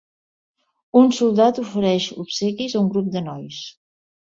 Un soldat ofereix obsequis a un grup de nois.